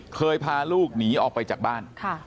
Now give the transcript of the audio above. พาลูกหนีออกไปจากบ้าน